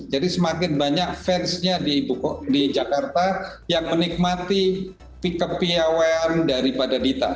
jadi semakin banyak fansnya di jakarta yang menikmati kepewean daripada dita